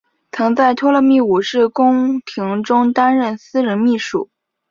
曾在托勒密五世宫廷中担任私人秘书。